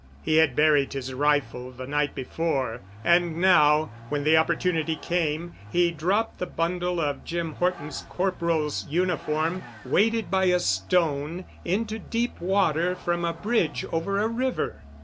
He had buried his rifle the night before and now when the opportunity came he dropped the bundle of Jim Horton's corporal's uniform, weighted by a stone, into deep water from a bridge over a river.